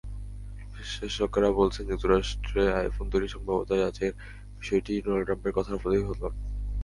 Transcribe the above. বিশ্লেষকেরা বলছেন, যুক্তরাষ্ট্রে আইফোন তৈরির সম্ভাব্যতা যাচাইয়ের বিষয়টি ডোনাল্ড ট্রাম্পের কথার প্রতিফলন।